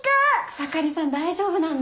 草刈さん大丈夫なんで。